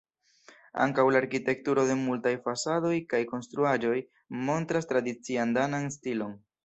Ankaŭ la arkitekturo de multaj fasadoj kaj konstruaĵoj montras tradician danan stilon.